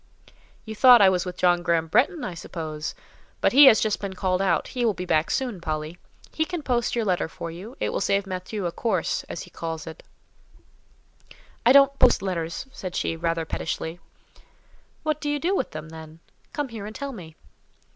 "You thought I was with John Graham Bretton, I suppose? But he has just been called out: he will be back soon, Polly. He can post your letter for you; it will save Matthieu a 'course,' as he calls it." "I don't post letters," said she, rather pettishly. "What do you do with them, then?—come here and tell me."